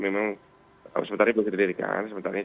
memang sementara bisa didirikan sementara